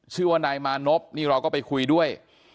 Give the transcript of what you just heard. ชื่อว่านายมานพนี่เราก็ไปคุยด้วย